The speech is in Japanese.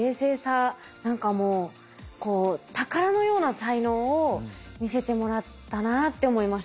何かもう宝のような才能を見せてもらったなあって思いました。